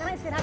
gak ada izzan